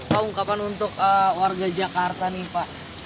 pak ungkapan untuk warga jakarta nih pak